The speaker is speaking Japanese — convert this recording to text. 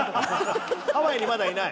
ハワイにまだいない？